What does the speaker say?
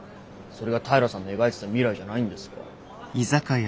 それが平さんの描いてた未来じゃないんですか？